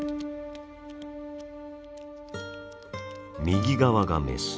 右側がメス。